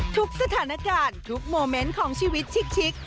ทุกสถานการณ์ทุกโมเมนต์ของชีวิตชิค